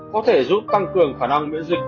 có thể giúp tăng cường khả năng miễn dịch